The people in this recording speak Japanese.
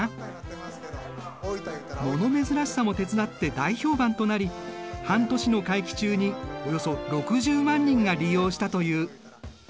物珍しさも手伝って大評判となり半年の会期中におよそ６０万人が利用したという。